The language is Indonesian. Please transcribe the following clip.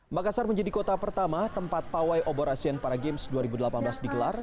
makassar menjadi kota pertama tempat pawai obor asian para games dua ribu delapan belas digelar